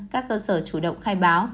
các cơ sở chủ động khai báo